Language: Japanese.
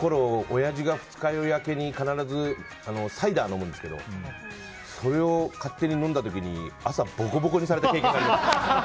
親父が二日酔い明けに必ずサイダー飲むんですけどそれを勝手に飲んだ時に朝、ボコボコにされた経験があります。